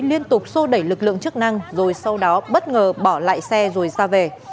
liên tục sô đẩy lực lượng chức năng rồi sau đó bất ngờ bỏ lại xe rồi ra về